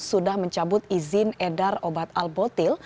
sudah mencabut izin edar obat albotil